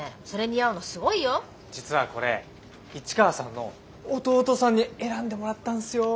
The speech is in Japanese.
実はこれ市川さんの弟さんに選んでもらったんすよ。